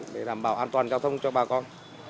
để đảm bảo an toàn giao thông cho bà con